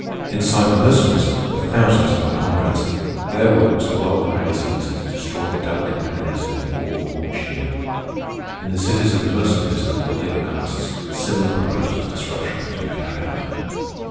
Inside the Mercenaries were thousands of our comrades. Their work was to blow up the magazines and to destroy the delicate mechanism of all the war machinery. In the cities of the Mercenaries and of the labor castes similar programmes of disruption were to be carried out.